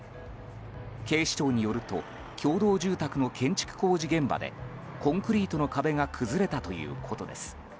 警視庁によると共同住宅の建築工事現場でコンクリートの壁が崩れたということです。